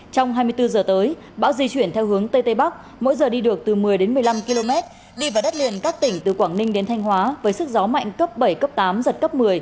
trong hai mươi bốn giờ tới bão di chuyển theo hướng tây tây bắc mỗi giờ đi được từ một mươi đến một mươi năm km đi vào đất liền các tỉnh từ quảng ninh đến thanh hóa với sức gió mạnh cấp bảy cấp tám giật cấp một mươi